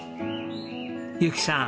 由紀さん